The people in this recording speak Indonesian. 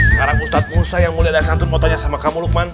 sekarang ustadz musa yang mulia dan santun mau tanya sama kamu lukman